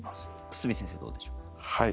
久住先生、どうでしょう。